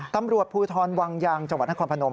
ตำรวจภูทรวังยางจังหวัดนครพนม